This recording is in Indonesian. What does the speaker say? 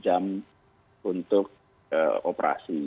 jam untuk operasi